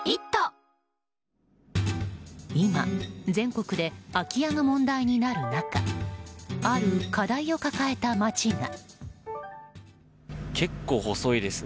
今、全国で空き家が問題になる中ある課題を抱えた街が。